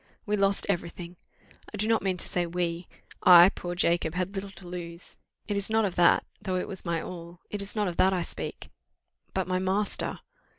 We lost every thing! I do not mean to say we I, poor Jacob, had little to lose. It is not of that, though it was my all, it is not of that I speak but my master!